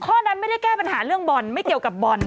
ข้อนั้นไม่ได้แก้ปัญหาเรื่องบอลไม่เกี่ยวกับบอล